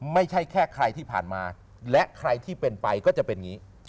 ไม่ใช่แค่ใครที่ผ่านมาและใครที่เป็นไปก็จะเป็นอย่างนี้